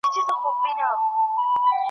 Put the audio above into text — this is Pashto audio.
ته تر څه تورو تیارو پوري یې تللی .